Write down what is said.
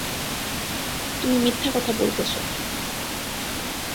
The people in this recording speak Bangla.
তুমি মিথ্যা কথা বলতেছো।